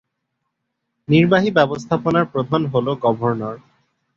নির্বাহী ব্যবস্থাপনার প্রধান হ'ল গভর্নর।